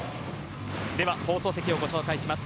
では、放送席をご紹介します。